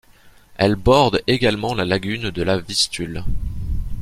Elle borde également la lagune de la Vistule.